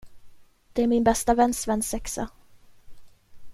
Det är min bästa väns svensexa.